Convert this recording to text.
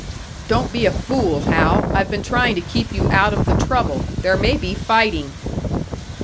"Don't be a fool, Hal! I've been trying to keep you out of the trouble. There may be fighting."